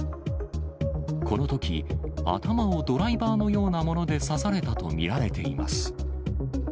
このとき、頭をドライバーのようなもので刺されたと見られています。